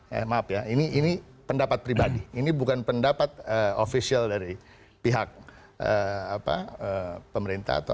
ya maaf ya ini ini pendapat pribadi ini bukan pendapat official dari pihak apa pemerintah